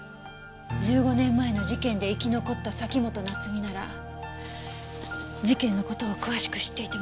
１５年前の事件で生き残った崎本菜津美なら事件の事を詳しく知っていても不思議じゃないでしょ。